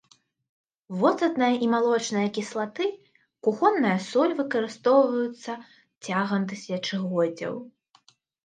Воцатная і малочная кіслаты, кухонная соль выкарыстоўваюцца цягам тысячагоддзяў.